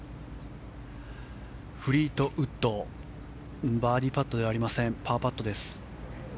フリートウッドバーディーパットではありませんパーパットです。